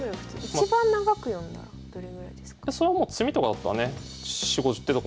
一番長く読んだらどれぐらいですか？